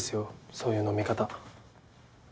そういう飲み方。